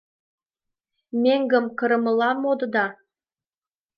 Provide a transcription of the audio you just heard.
— Меҥгым кырымыла модыда?